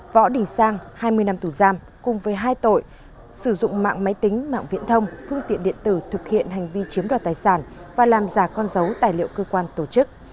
võ đình sang hai mươi năm tù giam cùng với hai tội sử dụng mạng máy tính mạng viễn thông phương tiện điện tử thực hiện hành vi chiếm đoạt tài sản và làm giả con dấu tài liệu cơ quan tổ chức